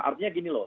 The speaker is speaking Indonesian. artinya gini loh